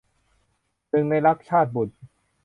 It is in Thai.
หนึ่งในรัก - ชาตบุษย์